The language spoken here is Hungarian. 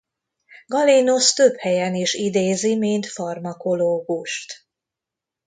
Galénosz több helyen is idézi mint farmakológust.